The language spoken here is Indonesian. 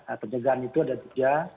nah pencegahan itu ada tiga